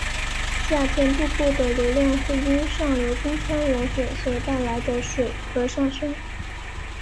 夏天瀑布的流量会因上游冰川融雪所带来的水而上升。